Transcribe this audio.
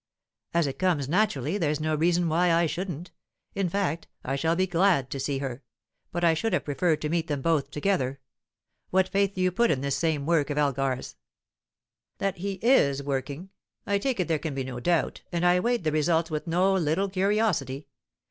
"As it comes naturally, there's no reason why I shouldn't. In fact, I shall be glad to see her. But I should have preferred to meet them both together. What faith do you put in this same work of Elgar's?" "That he is working, I take it there can be no doubt, and I await the results with no little curiosity.